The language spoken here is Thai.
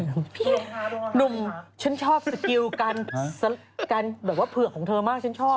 หนุ่มฉันชอบสกิลกันแบบว่าเผือกของเธอมากฉันชอบ